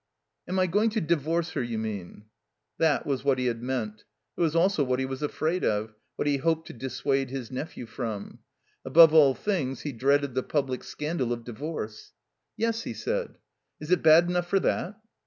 "Am I going to divorce her, you mean?" That was what he had meant. It was also what he was afraid of, what he hoped to dissuade his nephew from. Above all things he dreaded the public scandal of divorce. "Yes," he said. "Is it bad enough for that?"